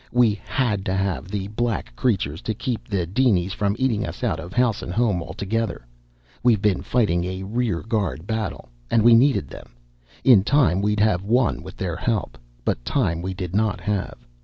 We had to have the black creatures to keep the dinies from eating us out of house and home altogether. We've been fightin' a rear guard battle, and we needed them. In time we'd have won with their help, but time we did not have.